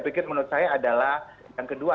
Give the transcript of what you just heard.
pikir menurut saya adalah yang kedua